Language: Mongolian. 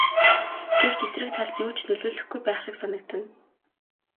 Гэвч эсрэг талд юу ч нөлөөлөхгүй байх шиг санагдана.